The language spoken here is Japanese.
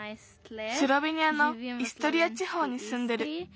スロベニアのイストリアちほうにすんでる。